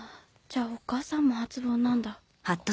じゃあお母さんも初盆なんだ。